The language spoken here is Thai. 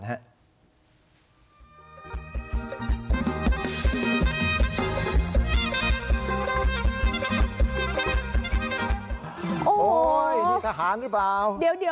โอ้โหนี่ทหารหรือเปล่า